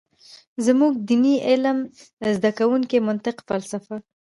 زمونږ ديني علم زده کوونکي منطق ، فلسفه ،